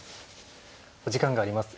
お時間があります。